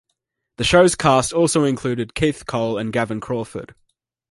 The show's cast also included Keith Cole and Gavin Crawford.